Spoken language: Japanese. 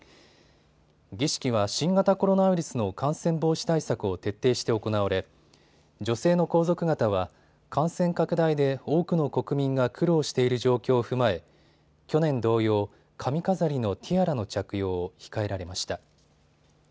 儀式は新型コロナウイルスの感染防止対策を徹底して行われ女性の皇族方は感染拡大で多くの国民が苦労している状況を踏まえ去年同様、髪飾りのティアラの着用を控えられました。